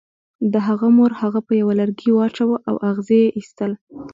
د هغه مور هغه په یوه لرګي واچاو او اغزي یې ایستل